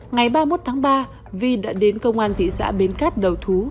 ngày ba mươi một tháng ba vi đã đến công an thị xã bến cát đầu thú